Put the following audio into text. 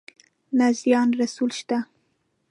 نه زيان رسول شته.